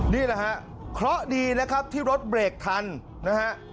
นี่แหละฮะเคราะห์ดีนะครับที่รถเบรกทันนะฮะ